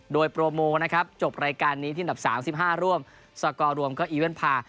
โดยโปรโมนะครับจบรายการนี้ที่อันดับ๓๕ร่วมสกอร์รวมก็อีเว่นพา